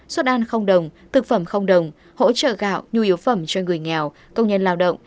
suất ăn không đồng thực phẩm không đồng hỗ trợ gạo nhu yếu phẩm cho người nghèo công nhân lao động